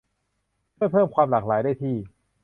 ช่วยเพิ่มความหลากหลายได้ที่